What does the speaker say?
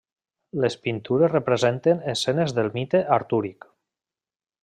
Les pintures representen escenes del mite artúric.